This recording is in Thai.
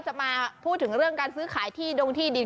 จะมาพูดถึงเรื่องการซื้อขายที่ดงที่ดิน